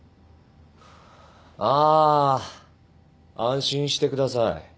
あ安心してください。